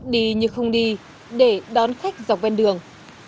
đi nhưng không đi để đón khách dọc bên đường